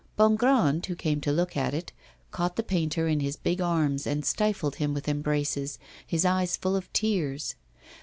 Bongrand, who came to look at it, caught the painter in his big arms, and stifled him with embraces, his eyes full of tears.